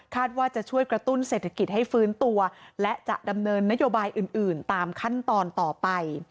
ว่าจะช่วยกระตุ้นเศรษฐกิจให้ฟื้นตัวและจะดำเนินนโยบายอื่นตามขั้นตอนต่อไป